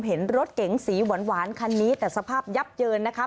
เห็นรถเก๋งสีหวานคันนี้แต่สภาพยับเยินนะคะ